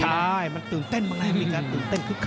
ใช่มันตื่นเต้นบ้างนะมีการตื่นเต้นคึกค